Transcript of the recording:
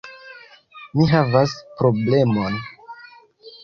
Mi havas problemon!